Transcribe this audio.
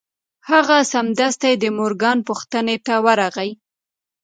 هغه سمدستي د مورګان پوښتنې ته ورغی